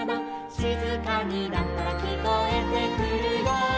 「しずかになったらきこえてくるよ」